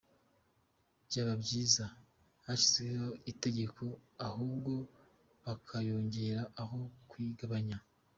Byaba byiza hashyizweho itegeko ahubwo bakayongera aho kuyigabanya.